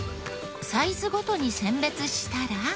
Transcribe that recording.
サイズごとに選別したら。